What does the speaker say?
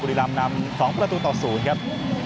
บุริลำนำ๒ประตูต่อศูนย์ครับ